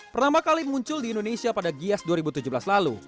pertama kali muncul di indonesia pada gias dua ribu tujuh belas lalu